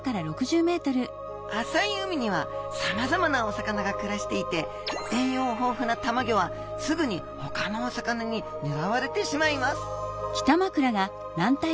浅い海にはさまざまなお魚が暮らしていて栄養豊富なたまギョはすぐにほかのお魚にねらわれてしまいます